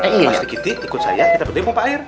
pak siti ikut saya kita berikan popa air